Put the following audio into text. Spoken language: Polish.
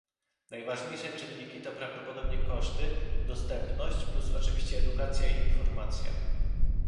Najważniejsze czynniki to prawdopodobnie koszty, dostępność, plus oczywiście edukacja i informacja